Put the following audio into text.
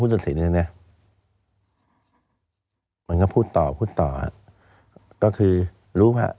ตัดสินเนี่ยนะมันก็พูดต่อพูดต่อก็คือรู้ค่ะ